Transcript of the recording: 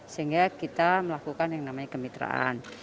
sehingga kita melakukan yang namanya kemitraan